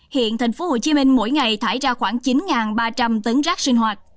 hiện thành phố hồ chí minh mỗi ngày thải ra khoảng chín ba trăm linh tấn rác sinh hoạt